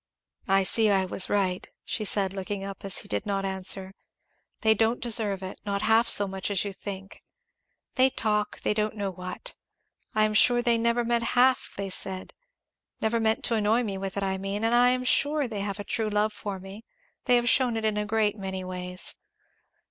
"I see I was right," she said, looking up as he did not answer, "they don't deserve it, not half so much as you think. They talk they don't know what. I am sure they never meant half they said never meant to annoy me with it, I mean, and I am sure they have a true love for me; they have shewn it in a great many ways.